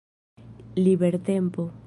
libertempo